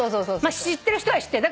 知ってる人は知ってる。